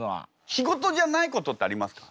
仕事じゃないことってありますか？